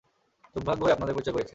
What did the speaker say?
দুর্ভাগ্যই আপনাদের পরিচয় করিয়েছে।